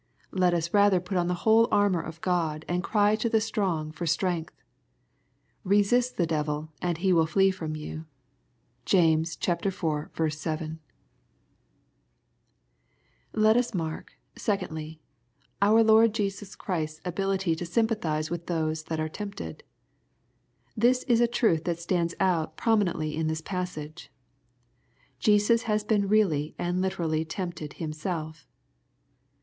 Let us rather put on the whole armor of Gk)d, and cry to the strong for strength. ^' Resist the devil and he will flee frojgjrou." (James iv. 7.) ^^^ Let us mark, secondly, our Lord Jesu8 Christ's ahUity to sympathize with those that are tempted. This is a truth that stands out prominently in this passage. Jesus has been really and literally tempted Himself.